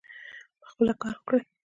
پخپله کار وکړي.